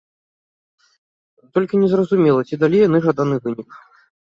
Толькі незразумела, ці далі яны жаданы вынік.